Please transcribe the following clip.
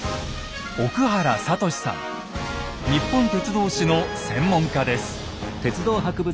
日本鉄道史の専門家です。